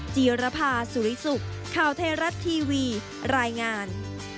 จีรภาสุริสุขข่าวไทยรัฐทีวีรายงาน